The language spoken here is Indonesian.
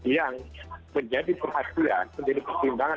yang menjadi perhatian menjadi pertimbangan